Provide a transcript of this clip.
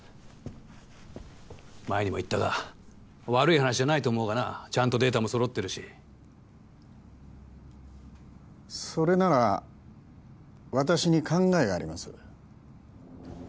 前にも言ったが悪い話じゃないと思うがなちゃんとデータも揃ってるしそれなら私に考えがあります